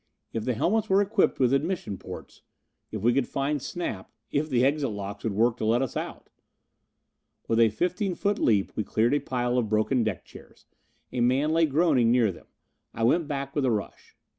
If the helmets were equipped with admission ports. If we could find Snap. If the exit locks would work to let us out. With a fifteen foot leap we cleared a pile of broken deck chairs. A man lay groaning near them. I went back with a rush.